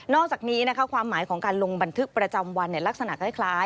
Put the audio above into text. อกจากนี้นะคะความหมายของการลงบันทึกประจำวันลักษณะคล้าย